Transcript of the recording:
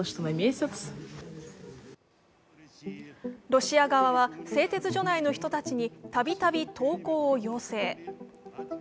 ロシア側は製鉄所内の人たちにたびたび投稿を要請。